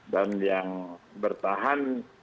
dan yang bertahan